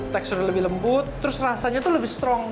teksturnya lebih lembut terus rasanya tuh lebih strong